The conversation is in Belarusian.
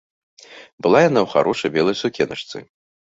Была яна ў харошай белай сукеначцы.